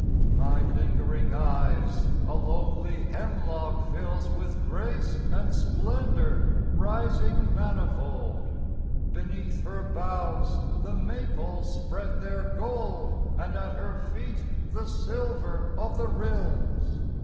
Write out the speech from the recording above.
My lingering eyes, a lonely hemlock fills With grace and splendor rising manifold; Beneath her boughs the maples spread their gold And at her feet, the silver of the rills.